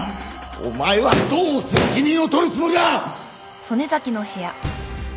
お前はどう責任を取るつもりだ！